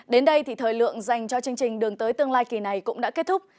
đến đây thì thời lượng dành cho chương trình đường tới tương lai kỳ này cũng đã kết thúc